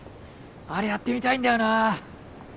あれやってみたいんだよな。